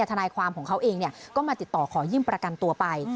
ทนายความของเขาเองก็มาติดต่อขอยื่นประกันตัวไป